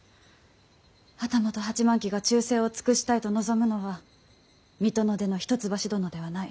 旗本８万騎が忠誠を尽くしたいと望むのは水戸の出の一橋殿ではない。